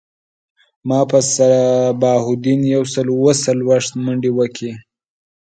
ما په صباح الدین یو سل او څلویښت منډی وکړی